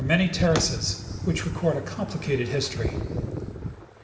109 many terraces, which record a comphcated history.